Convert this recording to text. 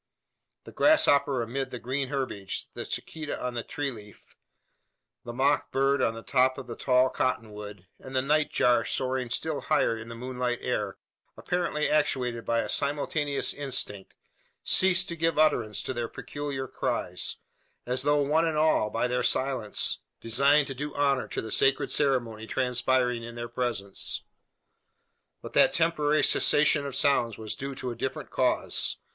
The grasshopper amid the green herbage, the cicada on the tree leaf, the mock bird on the top of the tall cotton wood, and the nightjar soaring still higher in the moonlit air, apparently actuated by a simultaneous instinct, ceased to give utterance to their peculiar cries: as though one and all, by their silence, designed to do honour to the sacred ceremony transpiring in their presence! But that temporary cessation of sounds was due to a different cause.